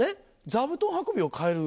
座布団運びを代える